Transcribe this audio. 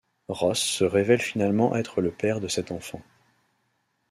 Ross se révèle finalement être le père de cet enfant.